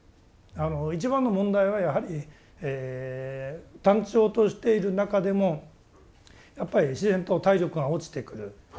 一番の問題はやはり単調としている中でもやっぱり自然と体力が落ちてくる。